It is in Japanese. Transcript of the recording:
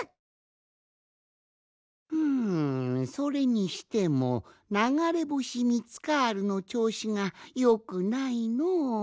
ふんそれにしてもながれぼしミツカールのちょうしがよくないのう。